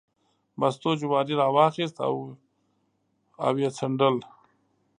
مستو جواری راواخیست او یې څنډل.